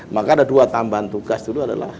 maka ada dua tambahan tugas dulu adalah